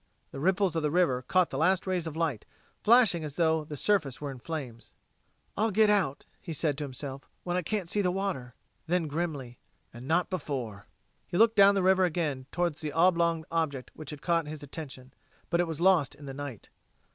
The ripples of the river caught the last rays of light, flashing as though the surface were in flames. "I'll get out," he said to himself, "when I can't see the water." Then, grimly: "And not before." He looked down the river again towards the oblong object which had caught his attention, but it was lost in the night.